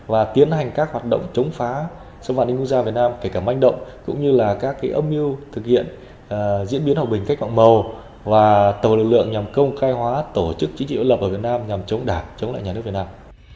và tiến hành các hoạt động chống phá xâm phạm ninh quốc gia việt nam kể cả manh động cũng như là các âm mưu thực hiện diễn biến hòa bình cách mạng màu và tổ lực lượng nhằm công khai hóa tổ chức chính trị yếu lập ở việt nam nhằm chống đảng chống lại nhà nước việt nam